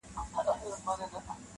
نسلونه تېرېږي بيا بيا تل,